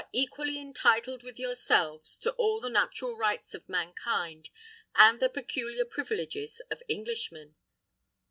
equally entitled with yourselves to all the natural rights of mankind, and the peculiar privileges of Englishmen.